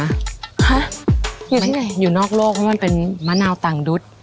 ฮะอยู่ที่ไหนไม่อยู่นอกโลกไม่ว่าเป็นมะนาวต่างดุ๊ด